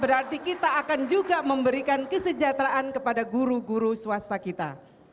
berarti kita akan juga memberikan kesejahteraan kepada guru guru swasta kita